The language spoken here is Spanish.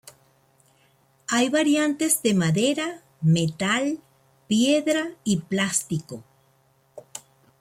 Hay variantes de madera, metal, piedra y plástico.